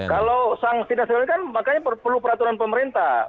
kalau sangsi yang disampaikan makanya perlu peraturan pemerintah